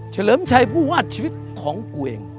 เลิมชัยผู้ว่าชีวิตของกูเอง